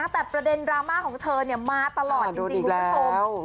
แต่ประเด็นดราม่าของเธอมาตลอดจริงคุณผู้ชม